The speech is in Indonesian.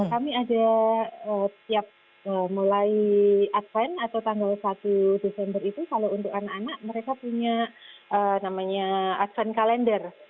kami ada setiap mulai advent atau tanggal satu desember itu kalau untuk anak anak mereka punya advent calendar